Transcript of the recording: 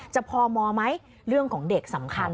พมไหมเรื่องของเด็กสำคัญ